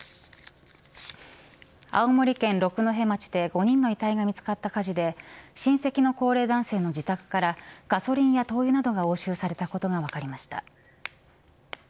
青森県六戸町で５人の遺体が見つかった火事で親戚の高齢男性の自宅からガソリンや灯油などが押収されたことが分かりました。